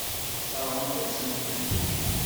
Tesseṛɣemt-asent-tent.